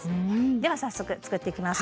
では早速作っていきます。